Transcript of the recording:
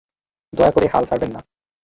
দয়া করে হাল ছাড়বেন না।